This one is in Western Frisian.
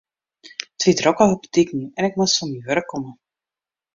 It wie drok op de diken en ik moast fan myn wurk komme.